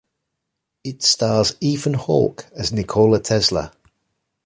It stars Ethan Hawke as Nikola Tesla.